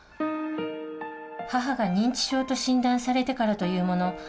母が認知症と診断されてからというもの